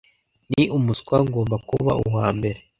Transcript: ni umuswa ngomba kuba uwa mbere